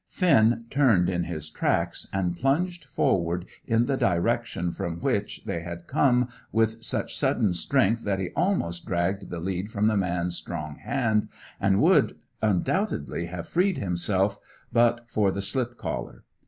Finn turned in his tracks and plunged forward in the direction from which, they had come with such sudden strength that he almost dragged the lead from the man's strong hand, and would undoubtedly have freed himself, but for the slip collar.